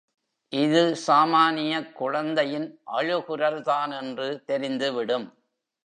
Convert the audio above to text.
இது சாமானியக் குழந்தையின் அழுகுரல் தான் என்று தெரிந்துவிடும்.